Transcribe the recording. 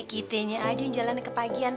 kita aja yang jalan ke pagian